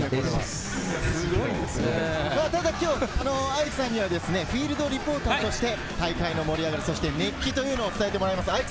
ただ、アイクさんには今日フィールドリポーターとして大会の盛り上がり、そして熱気というのを伝えてもらいます。